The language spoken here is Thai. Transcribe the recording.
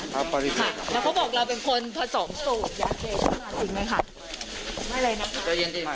ขอย้างครับขอย้างครับ